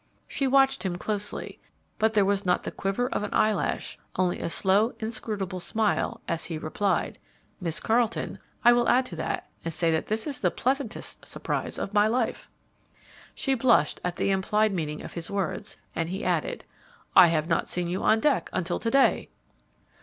She watched him closely, but there was not the quiver of an eyelash, only a slow, inscrutable smile, as he replied, "Miss Carleton, I will add to that, and say that this is the pleasantest surprise of my life." She blushed at the implied meaning of his words, and he added, "I have not seen you on deck until to day."